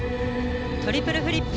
トリプルフリップ。